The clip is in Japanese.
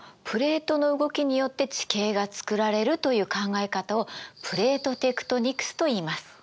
プレートの動きによって地形がつくられるという考え方をプレートテクトニクスといいます。